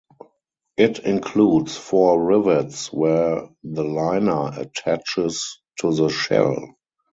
It includes four rivets where the liner attaches to the shell.